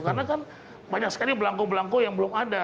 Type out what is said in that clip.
karena kan banyak sekali belangko belangko yang belum ada